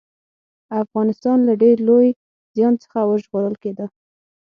افغانستان له ډېر لوی زيان څخه ژغورل کېده